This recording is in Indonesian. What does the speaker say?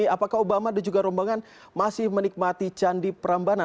apakah obama dan juga rombongan masih menikmati candi prambana